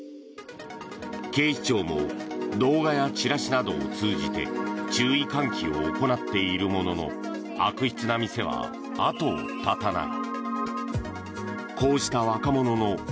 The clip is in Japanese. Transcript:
警視庁も動画やチラシなどを通じて注意喚起を行っているものの悪質な店は後を絶たない。